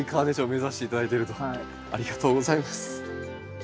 ありがとうございます。